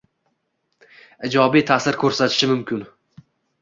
ijobiy ta’sir ko’rsatishi mumkin